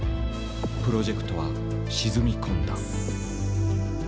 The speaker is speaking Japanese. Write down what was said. プロジェクトは沈み込んだ。